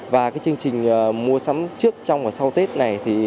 và chương trình mua sắm trước trong và sau tết này